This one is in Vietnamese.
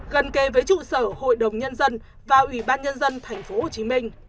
gần kề với trụ sở hội đồng nhân dân và ủy ban nhân dân tp hcm